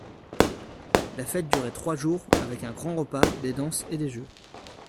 La fête durait trois jours, avec un grand repas, des danses et des jeux.